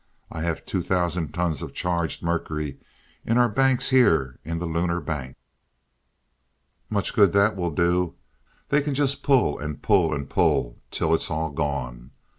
I have two thousand tons of charged mercury in our tanks here in the 'Lunar Bank.'" "Much good that will do they can just pull and pull and pull till it's all gone.